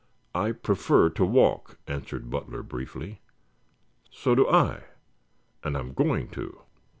"I prefer to walk," answered Butler briefly. "So do I, and I'm going to."